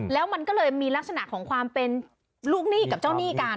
แล้วมันก็เลยมีลักษณะของความเป็นลูกหนี้กับเจ้าหนี้กัน